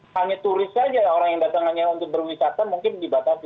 hanya turis saja orang yang datang hanya untuk berwisata mungkin dibatasi